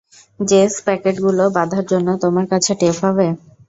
JS প্যাকেটগুলা বাঁধার জন্য তোমার কাছে টেপ হবে?